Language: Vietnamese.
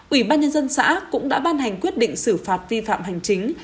ủy ban nhân dân xã cũng đã ban hành quyết định xử phạt vi phạm hành chính